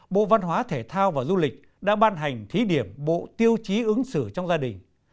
bộ văn hóa thể thao và du lịch đã ban hành thí điểm bộ tiêu chí ứng xử trong gia đình